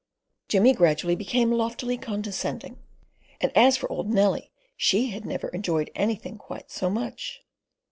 Jimmy gradually became loftily condescending, and as for old Nellie, she had never enjoyed anything quite so much.